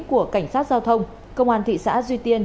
của cảnh sát giao thông công an thị xã duy tiên